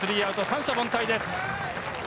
三者凡退です。